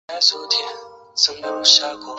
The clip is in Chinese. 拉佩格人口变化图示